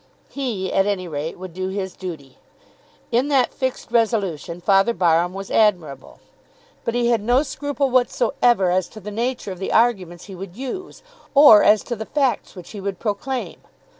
He at any rate would do his duty. In that fixed resolution Father Barham was admirable. But he had no scruple whatsoever as to the nature of the arguments he would use, or as to the facts which he would proclaim.